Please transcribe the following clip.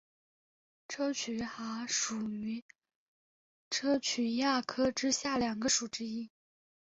砗磲蛤属为砗磲亚科之下两个属之一。